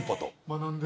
学んで。